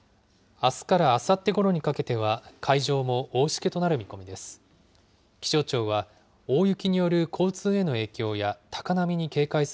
あすからあさってごろにかけては、海上も大しけとなる見込みです。